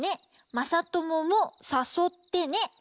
まさとももさそってね。